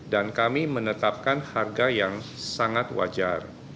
dan kami menetapkan harga yang sangat wajar